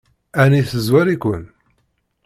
Ɛni tezwar-iken?